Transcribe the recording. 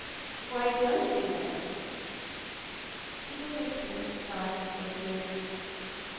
" Why don't you, then ?" She gave a faint sigh before she answered.